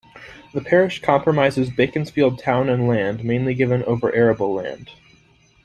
The parish comprises Beaconsfield town and land mainly given over arable land.